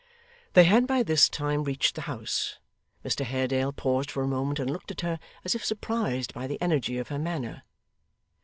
They had by this time reached the house. Mr Haredale paused for a moment, and looked at her as if surprised by the energy of her manner.